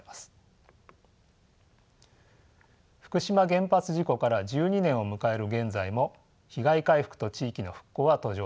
福島原発事故から１２年を迎える現在も被害回復と地域の復興は途上です。